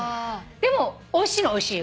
でもおいしいのはおいしいよ。